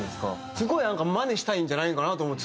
すごいなんかマネしたいんじゃないかなと思って。